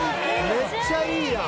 めっちゃいいやん！